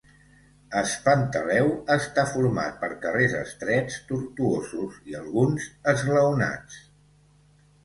Es Pantaleu està format per carrers estrets, tortuosos i alguns esglaonats.